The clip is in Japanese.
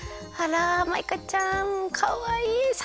あらマイカちゃんかわいい！